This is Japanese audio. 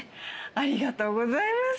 ありがとうございます。